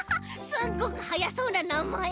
すっごくはやそうななまえ！